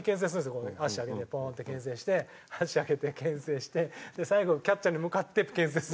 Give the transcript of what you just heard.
足上げてポーンって牽制して足上げて牽制してで最後キャッチャーに向かって牽制。